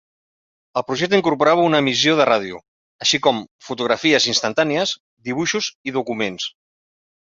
El projecte incorporava una emissió de ràdio, així com fotografies instantànies, dibuixos i documents.